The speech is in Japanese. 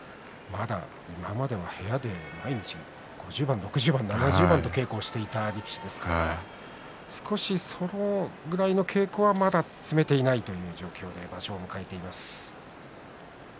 今までは部屋で毎日５０番、６０番、７０番と稽古していた力士ですからそれぐらいの稽古はまだ積めていないという状況です。